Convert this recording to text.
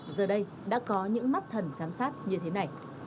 giờ đây đã có những mắt thần giám sát như thế này